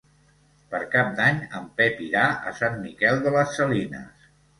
Per Cap d'Any en Pep irà a Sant Miquel de les Salines.